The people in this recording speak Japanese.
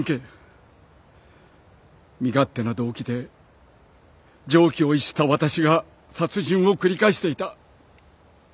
身勝手な動機で常軌を逸した私が殺人を繰り返していた。